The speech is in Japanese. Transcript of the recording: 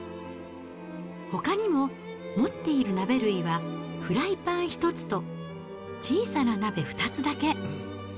ほかにも、持っている鍋類は、フライパン１つと小さな鍋２つだけ。